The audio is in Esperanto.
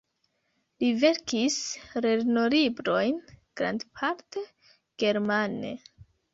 Li verkis lernolibrojn grandparte germane.